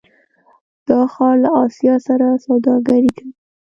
دا ښار له اسیا سره سوداګري کوي.